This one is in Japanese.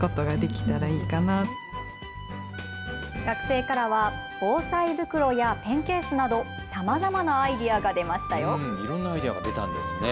学生からは防災袋やペンケースなど、さまざまなアイデアが出ましたよ。